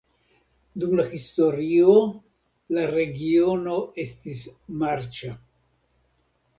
Dum la historio la regiono estis marĉa.